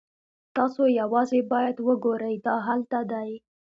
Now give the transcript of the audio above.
تاسو یوازې باید وګورئ دا هلته دی